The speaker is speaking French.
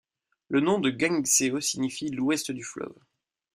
Le nom de Gangseo signifie l'ouest du fleuve.